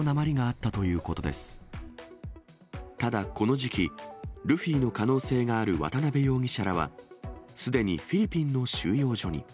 ただ、この時期、ルフィの可能性がある渡辺容疑者らは、すでにフィリピンの収容所に。